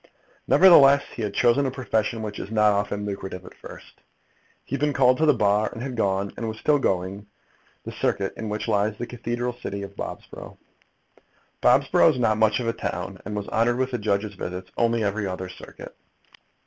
Nevertheless, he had chosen a profession which is not often lucrative at first. He had been called to the Bar, and had gone, and was still going, the circuit in which lies the cathedral city of Bobsborough. Bobsborough is not much of a town, and was honoured with the judges' visits only every other circuit.